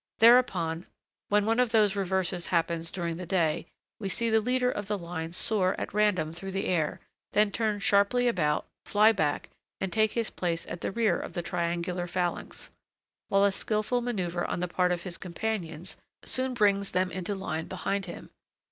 Thereupon, when one of those reverses happens during the day, we see the leader of the line soar at random through the air, then turn sharply about, fly back, and take his place at the rear of the triangular phalanx, while a skilful manoeuvre on the part of his companions soon brings them into line behind him.